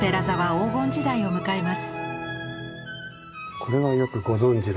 これはよくご存じの。